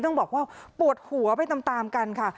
ต้องบอกว่าปวดหัวไปตามกันค่ะ